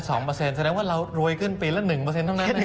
แสดงว่าเรารวยขึ้นปีละ๑เท่านั้นเอง